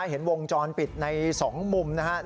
เห็นวงจรปิดในสองมุมนะฮะ